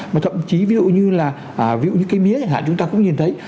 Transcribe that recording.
mà thậm chí ví dụ như là ví dụ như cây mía chẳng hạn chúng ta cũng nhìn thấy